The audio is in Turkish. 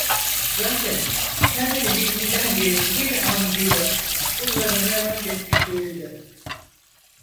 Zaten kendini bildiğinden beri bir an bile bunları merak etmiş değildi.